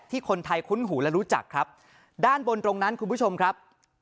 คนไทยคุ้นหูและรู้จักครับด้านบนตรงนั้นคุณผู้ชมครับ